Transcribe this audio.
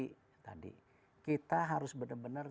ke kreatif tadi kita harus benar benar